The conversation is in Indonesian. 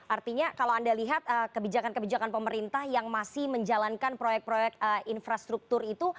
artinya kalau anda lihat kebijakan kebijakan pemerintah yang masih menjalankan proyek proyek infrastruktur itu